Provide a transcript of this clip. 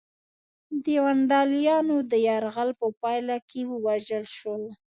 د ونډالیانو د یرغل په پایله کې ووژل شو.